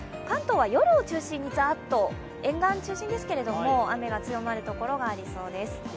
関東は夜を中心にザッと、沿岸を中心ですけれども雨が強まる所がありそうです。